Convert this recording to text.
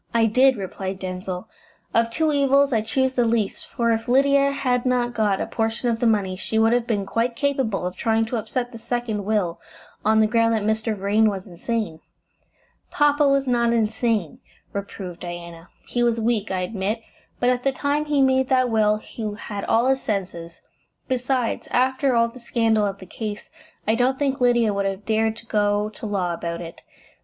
"I did," replied Denzil. "Of two evils I chose the least, for if Lydia had not got a portion of the money she would have been quite capable of trying to upset the second will on the ground that Mr. Vrain was insane." "Papa was not insane," reproved Diana. "He was weak, I admit, but at the time he made that will he had all his senses. Besides, after all the scandal of the case, I don't think Lydia would have dared to go to law about it.